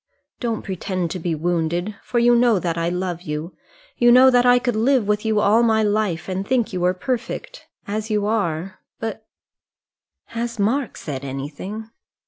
"Don't pretend to be wounded, for you know that I love you. You know that I could live with you all my life, and think you were perfect as you are; but " "Has Mark said anything?"